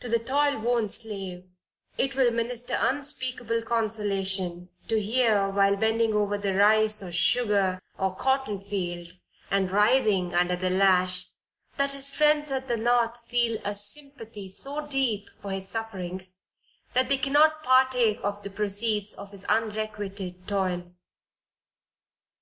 To the toil worn slave, it will minister unspeakable consolation, to hear, while bending over the rice, or sugar, or cotton field, and writhing under the lash, that his friends at the North feel a sympathy so deep for his sufferings, that they cannot partake of the proceeds of his unrequited toil.